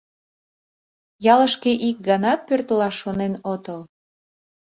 — Ялышке ик ганат пӧртылаш шонен отыл?